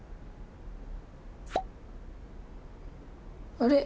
あれ？